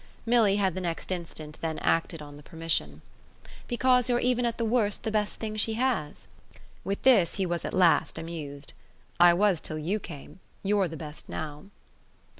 Milly had the next instant then acted on the permission. "Because you're even at the worst the best thing she has?" With this he was at last amused. "I was till you came. You're the best now."